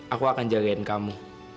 aku akan jagain kamu